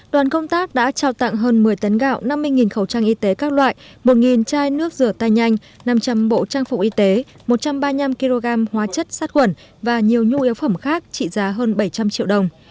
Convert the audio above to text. đoàn công tác đã trao tặng hơn một mươi tấn gạo năm mươi khẩu trang y tế các loại một chai nước rửa tay nhanh năm trăm linh bộ trang phục y tế một trăm ba mươi năm kg hóa chất sát khuẩn và nhiều nhu yếu phẩm khác trị giá hơn bảy trăm linh triệu đồng